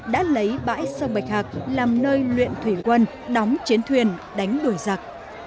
đã lấy bãi sông bạch hạc làm nơi luyện thủy quân đóng chiến thuyền đánh đuổi giặc